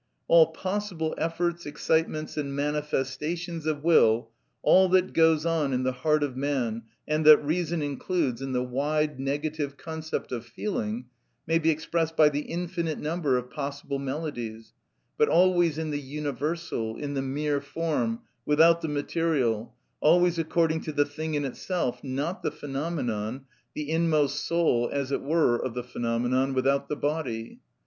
All possible efforts, excitements, and manifestations of will, all that goes on in the heart of man and that reason includes in the wide, negative concept of feeling, may be expressed by the infinite number of possible melodies, but always in the universal, in the mere form, without the material, always according to the thing in itself, not the phenomenon, the inmost soul, as it were, of the phenomenon, without the body.